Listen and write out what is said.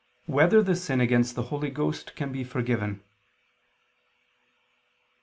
3] Whether the Sin Against the Holy Ghost Can Be Forgiven?